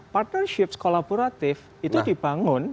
partnerships kolaboratif itu dibangun